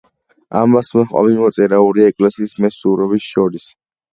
ამას მოჰყვა მიმოწერა ორი ეკლესიის მესვეურებს შორის.